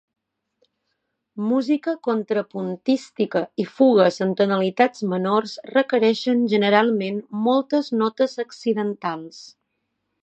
Música contrapuntística i fugues en tonalitats menors requereixen generalment moltes notes accidentals.